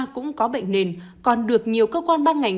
cũng có bệnh nền còn được nhiều cơ quan ban ngành